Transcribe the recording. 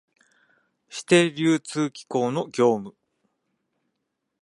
指定流通機構の業務